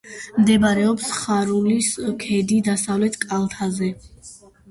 მდებარეობს ხარულის ქედის დასავლეთ კალთაზე.